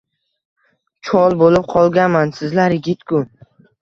Chol bo’lib qolganman… Sizlar yigit-ku!